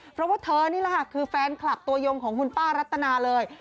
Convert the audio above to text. เพราะว่าเธอนี่แหละค่ะคือแฟนคลับตัวยงของคุณป้ารัตนาเลย